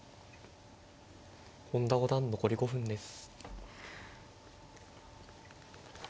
本田五段残り５分です。